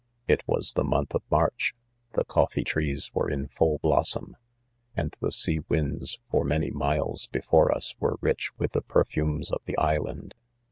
It was the month of March, the coffee trees were in full blossom, and the sea winds for many miles before Us, were rich with the perfumes of the island.